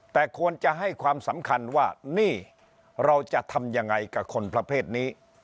แต่ควรจะให้ความสำคัญว่านี่เราจะทำยังไงกับคนประเภทนี้